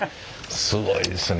すごいですね。